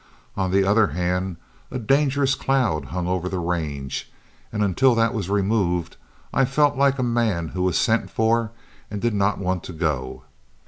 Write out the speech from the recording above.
On the other hand, a dangerous cloud hung over the range, and until that was removed I felt like a man who was sent for and did not want to go.